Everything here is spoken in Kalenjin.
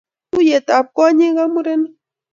Tuiyet ab kwonyik ak murenik